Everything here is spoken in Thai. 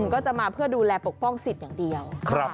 ก็จะมาเพื่อดูแลปกป้องสิทธิ์อย่างเดียว